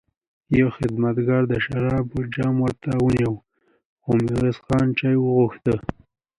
يوه خدمتګار د شرابو جام ورته ونيو، خو ميرويس خان چای وغوښت.